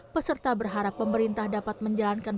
peserta berharap pemerintah dapat menjalankan